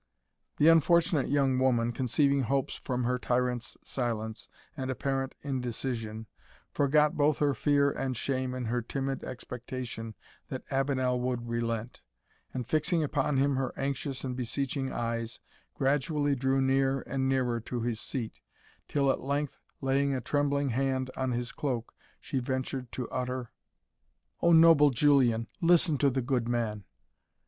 The unfortunate young woman, conceiving hopes from her tyrant's silence and apparent indecision, forgot both her fear and shame in her timid expectation that Avenel would relent; and fixing upon him her anxious and beseeching eyes, gradually drew near and nearer to his seat, till at length, laying a trembling hand on his cloak, she ventured to utter, "O noble Julian, listen to the good man!"